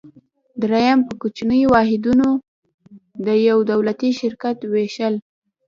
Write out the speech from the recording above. دریم: په کوچنیو واحدونو د یو دولتي شرکت ویشل.